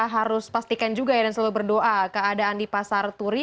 harus pastikan juga ya dan selalu berdoa keadaan di pasar turi